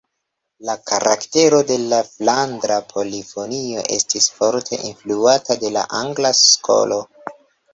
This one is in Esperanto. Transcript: La karaktero de la flandra polifonio estis forte influata de la Angla Skolo.